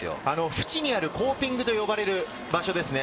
ふちにあるコーピングと呼ばれる場所ですね。